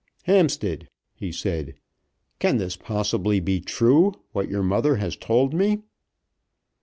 "Hampstead," he said, "can this possibly be true what your mother has told me?"